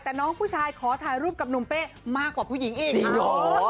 แต่น้องผู้ชายขอถ่ายรูปกับหนุ่มเป้มากกว่าผู้หญิงอีก